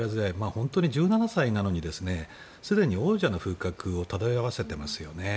本当に１７歳なのにすでに王者の風格を漂わせていますよね。